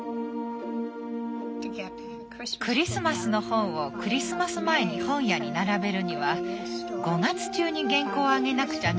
クリスマスの本をクリスマス前に本屋に並べるには５月中に原稿をあげなくちゃならなかったの。